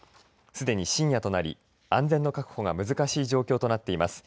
すでに深夜となり安全の確保が難しい状況となっています。